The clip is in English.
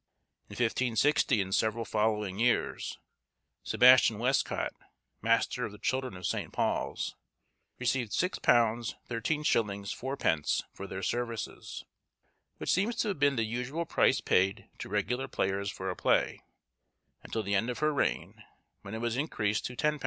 In 1560 and several following years, Sebastian Westcott, master of the children of St. Paul's, received £6 13_s._ 4_d._, for their services, which seems to have been the usual price paid to regular players for a play, until the end of her reign, when it was increased to £10.